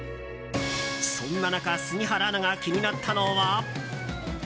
そんな中杉原アナが気になったのは。